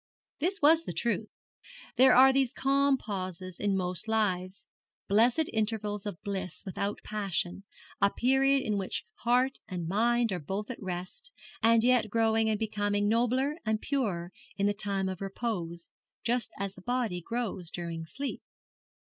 This was the truth. There are these calm pauses in most lives blessed intervals of bliss without passion a period in which heart and mind are both at rest, and yet growing and becoming nobler and purer in the time of repose, just as the body grows during sleep.